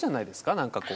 何かこう。